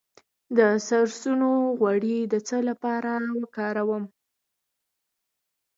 د سرسونو غوړي د څه لپاره وکاروم؟